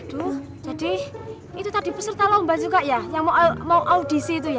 aduh jadi itu tadi peserta lomba juga ya yang mau audisi itu ya